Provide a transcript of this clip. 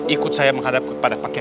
ikut saya menghadap kepada pak kian